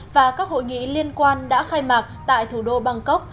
và các hội nghị liên quan đã khai mạc tại thủ đô bangkok